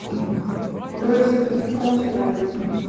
No is it in fakânsjewenning.